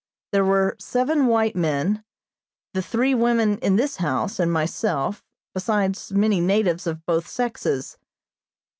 There were seven white men, the three women in this house and myself, besides many natives of both sexes.